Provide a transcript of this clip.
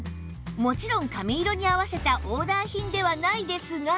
もちろん髪色に合わせたオーダー品ではないですが